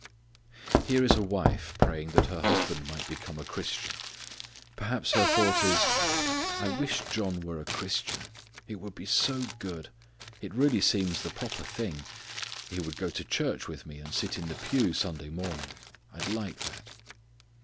Here is a wife praying that her husband might become a Christian. Perhaps her thought is: "I wish John were a Christian: it would be so good: it really seems the proper thing: he would go to church with me, and sit in the pew Sunday morning: I'd like that."